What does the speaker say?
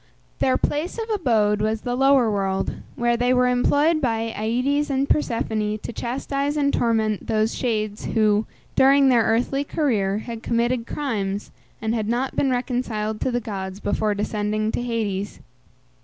Their place of abode was the lower world, where they were employed by Aïdes and Persephone to chastise and torment those shades who, during their earthly career, had committed crimes, and had not been reconciled to the gods before descending to Hades.